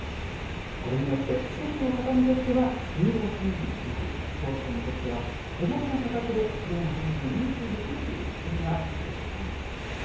これによって、施設の方にとっては就労支援につながり、消費者にとっては手ごろな価格できれいな本を入手できるという仕組みが出来上がりました。